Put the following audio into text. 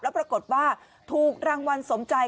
แล้วปรากฏว่าถูกรางวัลสมใจ